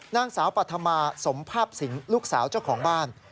นางสาวปัธมาสมภาพสิงลูกสาวเจ้าของบ้าน